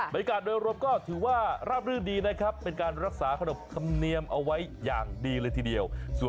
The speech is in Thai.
บริการโดยรวมก็ถือว่าราบรื่นดีนะครับเป็นการรักษาขนบธรรมเนียมเอาไว้อย่างดีเลยทีเดียว